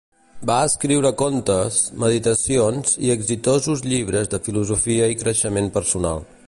Va escriure contes, meditacions i exitosos llibres de filosofia i creixement personal.